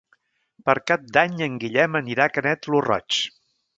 Per Cap d'Any en Guillem anirà a Canet lo Roig.